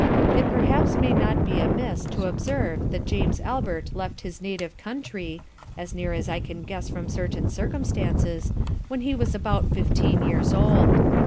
It perhaps may not be amiss to observe that James Albert left his native Country, (as near as I can guess from certain Circumstances) when he was about 15 Years old.